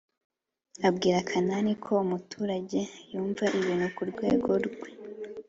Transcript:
abwira kanani ko umuturage yumva ibintu ku rwego rwe.